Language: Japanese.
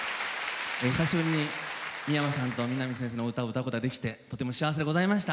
久しぶりに三山さんと三波先生のお歌を歌うことができてとても幸せでございました。